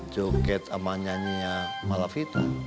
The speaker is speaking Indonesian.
joget sama nyanyinya malavita